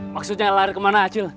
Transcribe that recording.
maksudnya lari kemana acil